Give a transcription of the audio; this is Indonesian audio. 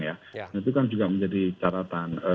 ya itu kan juga menjadi caratan